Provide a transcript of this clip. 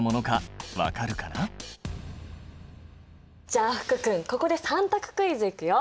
じゃあ福君ここで３択クイズいくよ。